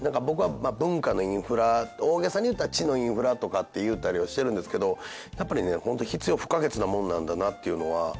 僕は文化のインフラ大げさに言ったら知のインフラとかって言うたりはしてるんですけどやっぱりねホント必要不可欠なもんなんだなって。